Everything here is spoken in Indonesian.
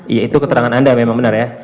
ya itu keterangan anda memang benar ya